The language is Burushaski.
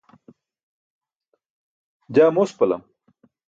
jaa mospalam